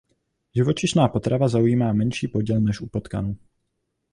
Živočišná potrava zaujímá menší podíl než u potkanů.